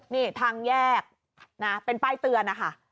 นี่ทางแยกนะเป็นป้ายเตือนนะคะ